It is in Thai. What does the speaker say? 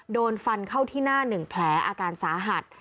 โดนฟันเข้าที่หน้า๑แผลอาการสาหัส